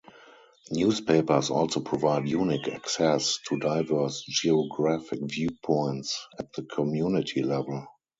Newspapers also provide unique access to diverse geographic viewpoints at the community level.